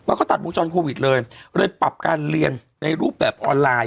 เขาตัดวงจรโควิดเลยเลยปรับการเรียนในรูปแบบออนไลน์